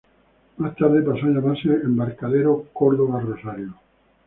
Más tarde pasó a llamarse Embarcadero Córdoba-Rosario.